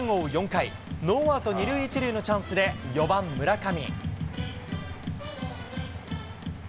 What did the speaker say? ４回、ノーアウト２塁１塁のチャンスで、４番村上。